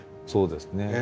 そうですね。